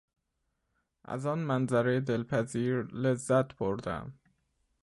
از آن منظرهی دلپذیر لذت بردم.